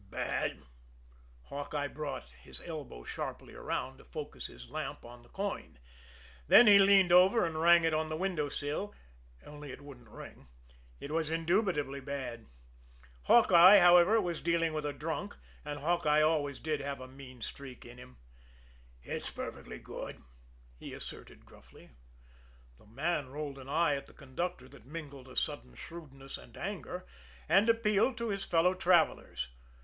"Bad!" Hawkeye brought his elbow sharply around to focus his lamp on the coin; then he leaned over and rang it on the window sill only it wouldn't ring. It was indubitably bad. Hawkeye, however, was dealing with a drunk and Hawkeye always did have a mean streak in him. "It's perfectly good," he asserted gruffly. The man rolled an eye at the conductor that mingled a sudden shrewdness and anger, and appealed to his fellow travellers.